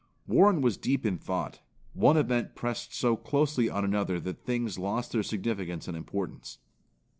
Warren was deep in thought. One event pressed so closely on another that things lost their significance and importance.